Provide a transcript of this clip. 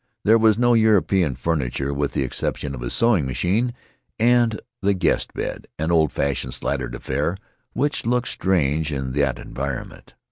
There was no European furniture with the exception of a sewing machine and the guest bed, an old fashioned, slatted affair which looked strange in that environment.